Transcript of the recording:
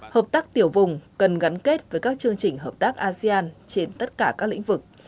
hợp tác tiểu vùng cần gắn kết với các chương trình hợp tác asean trên tất cả các lĩnh vực